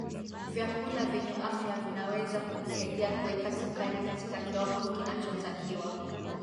vyakula vyenye afya vinaweza kukusaidia kuweka sukari katika kiwango kinachotakiwa